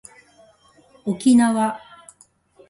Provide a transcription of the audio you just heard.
おきなわ